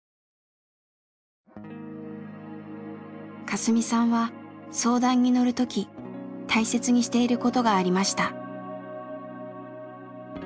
カスミさんは相談に乗る時大切にしていることがありました。